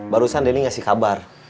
barusan denny kasih kabar